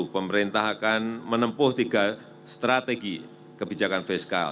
pemerintah akan menempuh tiga strategi kebijakan fiskal